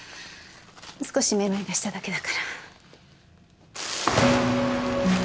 少し目まいがしただけだから。